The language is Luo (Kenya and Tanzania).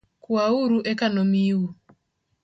Kwauru eka nomiu